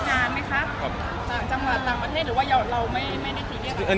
หน้าค่ะหรือว่าเราจริงไม่ได้